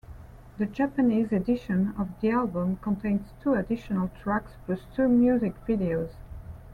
The Japanese edition of the album contains two additional tracks plus two music videos.